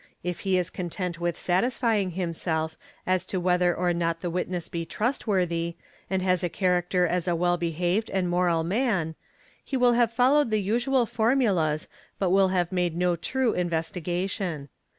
If he is content with satisfying himself as to whether or not the witness be rv stworthy, and has a character as a well behaved and moral man, he a et ae ee ill have followed the usual formulas but will have made no true investi ution.